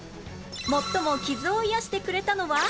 最も傷を癒やしてくれたのは？